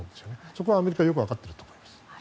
そこはアメリカはよく分かっていると思います。